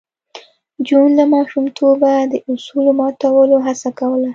جون له ماشومتوبه د اصولو ماتولو هڅه کوله